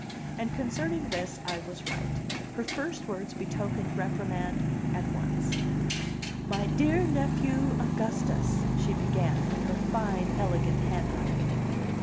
And concerning this I was right; her first words betokened reprimand at once. "My dear nephew Augustus," she began, in her fine, elegant handwriting.